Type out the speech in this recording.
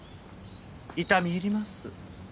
痛み入ります。